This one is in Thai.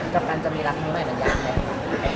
กับการจะมีรักครั้งใหม่มันยากไหม